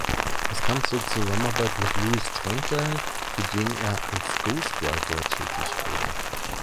Es kam zur Zusammenarbeit mit Luis Trenker, für den er als „Ghostwriter“ tätig wurde.